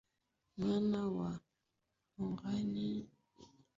Mama wa Morani huimba na kucheza kuonyesha heshima kwa ujasiri wa watoto wao